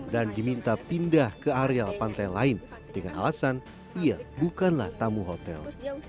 dan diminta pindah ke area pantai lain dengan alasan ia bukanlah tamu hotel